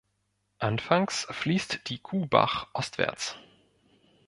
Anfangs fließt die Kuhbach ostwärts.